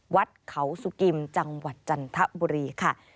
วัดเขาสุกิมจังหวัดจันทบุรีค่ะ